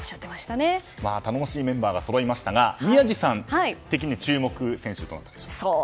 頼もしいメンバーがそろいましたが宮司さん的に注目選手はどうでしょう。